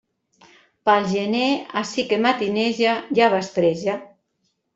Pel gener així que matineja ja vespreja.